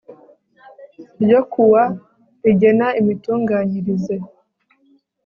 ryo ku wa rigena imitunganyirize